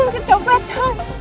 saya harus kecopet kak